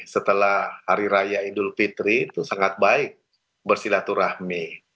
setelah hari raya idul fitri itu sangat baik bersilaturahmi